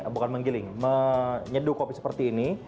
bukan menggiling menyeduh kopi seperti ini